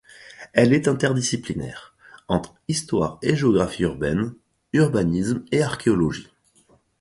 Elle est interdisciplinaire, entre histoire et géographie urbaines, urbanisme et archéologie.